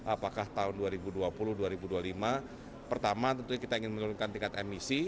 apakah tahun dua ribu dua puluh dua ribu dua puluh lima pertama tentunya kita ingin menurunkan tingkat emisi